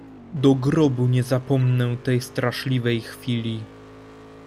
"Do grobu nie zapomnę tej straszliwej chwili."